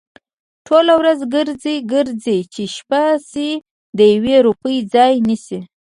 ټوله ورځ گرځي، گرځي؛ چې شپه شي د يوې روپۍ ځای نيسي؟